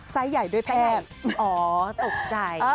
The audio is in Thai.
ไซส์ใหญ่ด้วยแพทย์อ๋อตกใจ